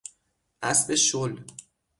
اسب شل